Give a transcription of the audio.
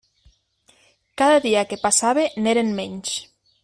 Cada dia que passava n'eren menys.